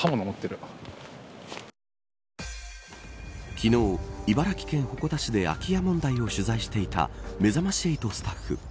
昨日、茨城県鉾田市で空き家問題を取材していためざまし８のスタッフ。